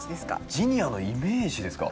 ジニアのイメージですか？